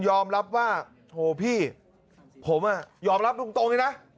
ยอมรับว่าโอ้พี่ผมอ่ะยอมรับตรงดินะ